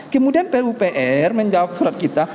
kemudian pupr menjawab surat kita